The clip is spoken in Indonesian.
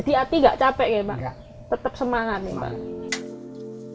tetap semangat nih pak